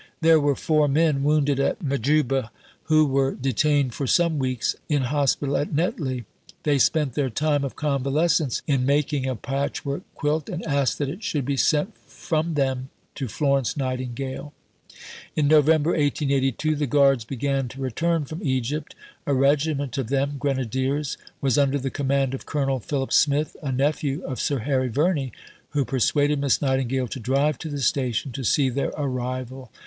There were four men, wounded at Majuba, who were detained for some weeks in hospital at Netley. They spent their time of convalescence in making a patchwork quilt, and asked that it should be sent from them "to Florence Nightingale." In November 1882 the Guards began to return from Egypt. A regiment of them (Grenadiers) was under the command of Colonel Philip Smith, a nephew of Sir Harry Verney, who persuaded Miss Nightingale to drive to the station to see their arrival.